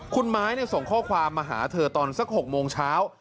คุณไม้ส่งข้อความมาหาเธอตอนสัก๖โมงเช้า